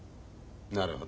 なるほど。